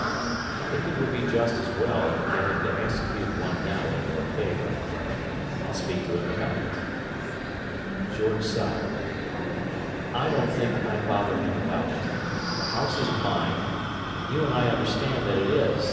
I think it would be just as well to get him to execute one now in your favour. I'll speak to him about it." George sighed. "I don't think I'd bother him about it: the house is mine, and you and I understand that it is.